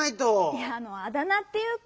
いやあのあだ名っていうか。